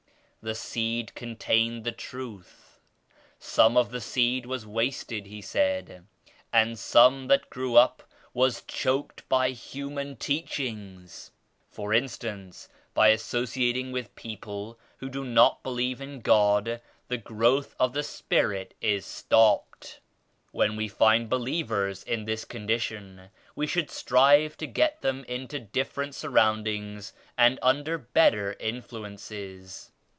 The seed contained the Truth. Some of the seed was wasted He said, — and some that grew up was choked by human teachings. For instance by associating with people who do not believe in God the growth of the Spirit is stopped. When we find believers in this con 43 dition we should strive to get them into different surroundings and under better influences.